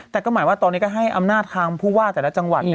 แต่ก็หมายว่าตอนนี้ก็ให้อำนาจทางผู้ว่าแต่ละจังหวัด